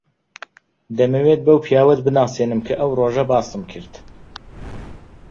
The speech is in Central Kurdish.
دەمەوێت بەو پیاوەت بناسێنم کە ئەو ڕۆژە باسم کرد.